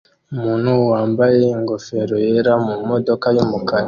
Umuntu wambaye ingofero yera mumodoka yumukara